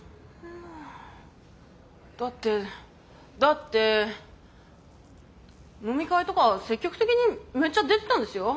だってだって飲み会とか積極的にめっちゃ出てたんですよ。